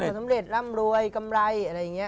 ประสบความสำเร็จร่ำรวยกำไรอะไรอย่างนี้